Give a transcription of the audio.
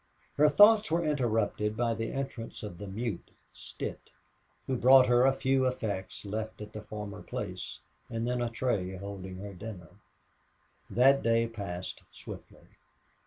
Her thoughts were interrupted by the entrance of the mute, Stitt, who brought her a few effects left at the former place, and then a tray holding her dinner. That day passed swiftly.